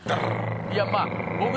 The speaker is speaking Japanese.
いやまあ